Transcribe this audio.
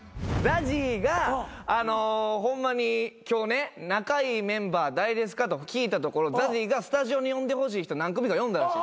ＺＡＺＹがホンマに今日ね仲いいメンバー誰ですかと聞いたところＺＡＺＹがスタジオに呼んでほしい人何組か呼んだんです。